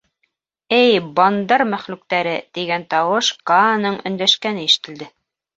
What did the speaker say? — Эй, Бандар мәхлүктәре! — тигән тауыш — Кааның өндәшкәне ишетелде.